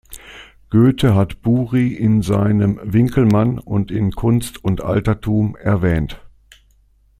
Goethe hat Bury in seinem "Winckelmann" und in "Kunst und Alterthum" erwähnt.